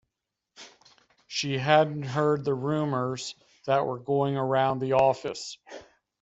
She hadn’t heard the rumours that were going around the office.